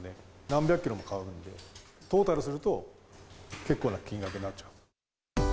何百キロも買うんで、トータルすると結構な金額になっちゃう。